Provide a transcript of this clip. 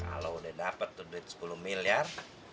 kalau udah dapet tuh duit sepuluh miliar